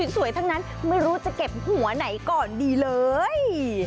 สวยทั้งนั้นไม่รู้จะเก็บหัวไหนก่อนดีเลย